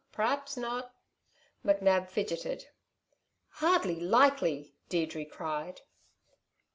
P'raps not!" McNab fidgeted. "Hardly likely!" Deirdre cried.